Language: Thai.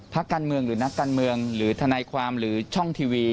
พักการเมืองหรือนักการเมืองหรือทนายความหรือช่องทีวี